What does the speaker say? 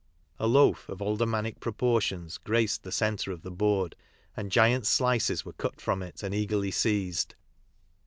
A loaf of aldermanic proportions graced the centre of the board, and giant slices were cut from it and eagerly seized.